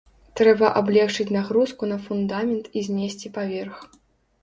Трэба аблегчыць нагрузку на фундамент і знесці паверх.